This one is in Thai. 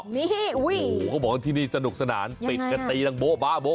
นี่อุ้ยโอ้โฮเขาบอกว่าที่นี่สนุกสนานปิดกระตีทั้งโบ๊ะ